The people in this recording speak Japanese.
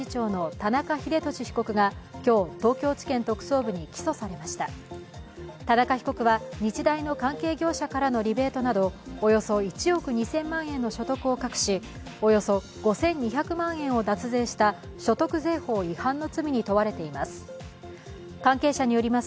田中被告は、日大の関係業者からのリベートなどおよそ１億２０００万円の所得を隠し、およそ５２００万円を脱税した所得税法違反の罪に問われています。